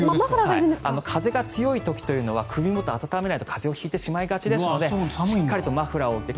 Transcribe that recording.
風が強い時というのは首元、温めないと風邪を引いてしまいがちなのでしっかりとマフラーを着て。